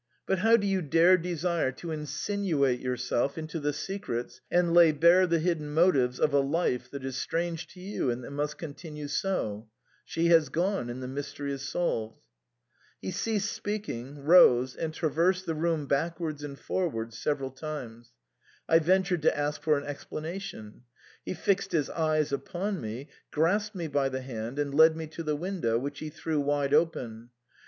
But how do you dare desire to insin uate yourself into the secrets and lay bare the hidden motives of a life that is strange to you and that must continue so ? She has gone and the mystery is solved." He ceased speaking, rose, and traversed the room back wards and forwards several times. I ventured to ask for an explanation ; he fixed his eyes upon me, grasped me by the hand, and led me to the window, which he threw wide open.